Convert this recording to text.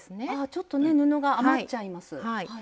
ちょっとね布が余っちゃいます。